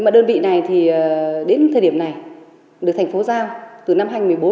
đơn vị này đến thời điểm này được thành phố giao từ năm hai nghìn một mươi bốn